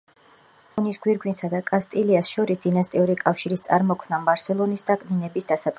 არაგონის გვირგვინსა და კასტილიას შორის დინასტიური კავშირის წარმოქმნამ ბარსელონის დაკნინების დასაწყისი განაპირობა.